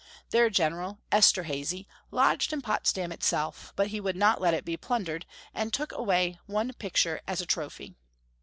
Their General, Esterhazy, lodged in Potsdam itself, but he would not let it be plundered, and only took away one picture as a trophy.